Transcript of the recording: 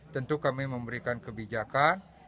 tentu kami memberikan kebijakan